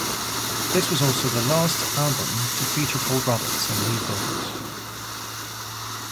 This was also the last album to feature Paul Roberts on lead vocals.